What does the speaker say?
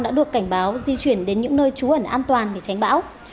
đã được cảnh báo di chuyển đến những nơi trú ẩn an toàn để tránh bão